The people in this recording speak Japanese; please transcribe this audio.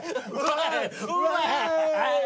「はい！